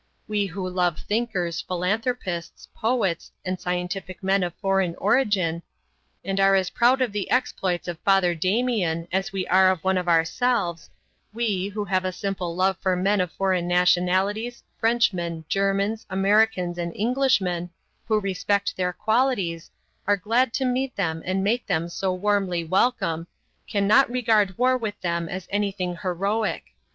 We who love thinkers, philanthropists, poets, and scientific men of foreign origin, and are as proud of the exploits of Father Damien as if he were one of ourselves, we, who have a simple love for men of foreign nationalities, Frenchmen, Germans, Americans, and Englishmen, who respect their qualities, are glad to meet them and make them so warmly welcome, cannot regard war with them as anything heroic.